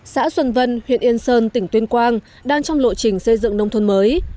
xã xuân vân huyện yên sơn tỉnh tuyên quang đang trong lộ trình xây dựng nông thôn mới